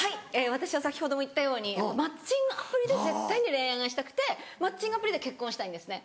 私は先ほども言ったようにマッチングアプリで絶対に恋愛がしたくてマッチングアプリで結婚をしたいんですね